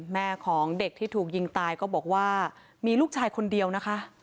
แม่ของเด็กที่ถูกยิงตายก็บอกว่ามีลูกชายคนเดียวนะคะ